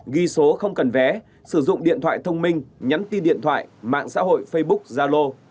ghi số không cần vé sử dụng điện thoại thông minh nhắn tin điện thoại mạng xã hội facebook zalo